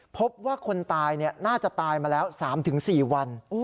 พบว่าคนตายน่าจะตายมาแล้ว๓๔วัน